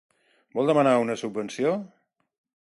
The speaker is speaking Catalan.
Vol demanar una subvenció?